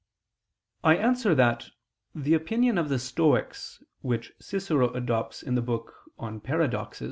I answer that, The opinion of the Stoics, which Cicero adopts in the book on Paradoxes (Paradox.